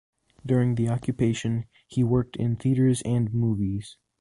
During the occupation, he worked in theaters and movies.